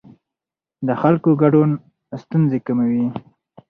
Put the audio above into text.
د خلکو ګډون ستونزې کموي